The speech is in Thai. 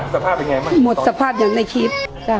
สภาพยังไงหมดสภาพอย่างในคลิป